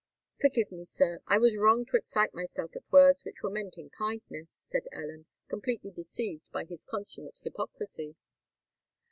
"Forgive me, sir,—I was wrong to excite myself at words which were meant in kindness," said Ellen, completely deceived by this consummate hypocrisy.